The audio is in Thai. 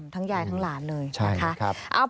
ทั้งยายทั้งหลานเลยใช่ครับ